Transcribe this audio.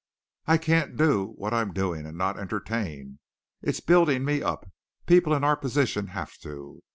"I can't do what I'm doing and not entertain. It's building me up. People in our position have to."